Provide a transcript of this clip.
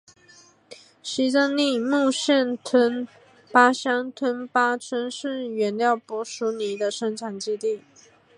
西藏尼木县吞巴乡吞巴村是原料柏树泥的生产基地。